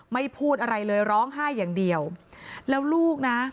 พูดอะไรเลยร้องไห้อย่างเดียวแล้วลูกนะ